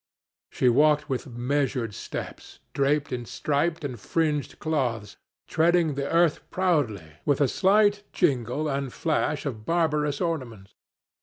"She walked with measured steps, draped in striped and fringed cloths, treading the earth proudly, with a slight jingle and flash of barbarous ornaments.